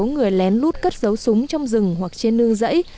sáu người lén lút cất dấu súng trong rừng hoặc trên nương dãy